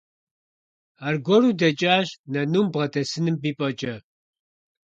Аргуэру дэкӀащ, нынум бгъэдэсыным ипӀэкӀэ.